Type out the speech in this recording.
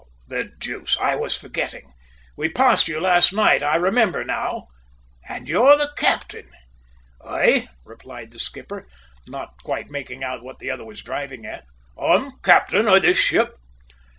"The deuce! I was forgetting. We passed you last night, I remember now! and you're the captain?" "Aye!" replied the skipper, not quite making out what the other was driving at. "I'm captain of this ship!"